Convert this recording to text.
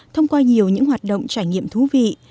thông qua nhiều những hoạt động trải nghiệm thú vị